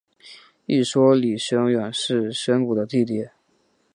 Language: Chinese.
一说李宣远是宣古的弟弟。